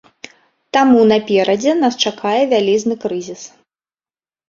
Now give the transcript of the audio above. Таму наперадзе нас чакае вялізны крызіс.